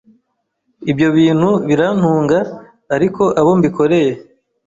ibyo bintu birantunga ariko abo mbikoreye